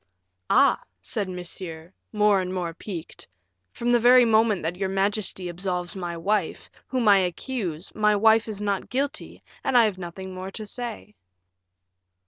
"Ah!" said Monsieur, more and more piqued, "from the very moment that your majesty absolves my wife, whom I accuse, my wife is not guilty, and I have nothing more to say."